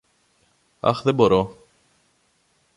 Αχ, δεν μπορώ!